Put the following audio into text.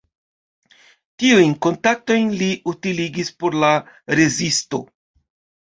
Tiujn kontaktojn li utiligis por la rezisto.